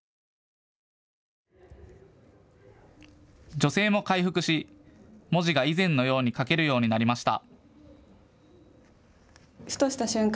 女性も回復し文字が以前のように書けるようになりました。